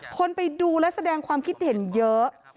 คนไปดูและแสดงความคิดเห็นเยอะ